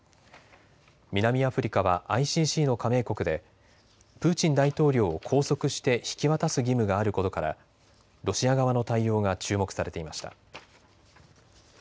南アフリカはＩＣＣの加盟国でプーチン大統領を拘束して引き渡す義務があることからロシア側の対応が注目されていました。